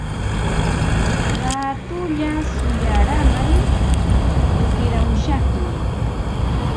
Raatulla shuyaaramay kutiramushaqmi.